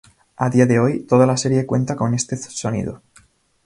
A día de hoy, toda la serie cuenta con este sonido.